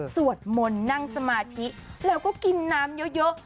สวดมนต์นั่งสมาธิแล้วก็กินน้ำเยอะ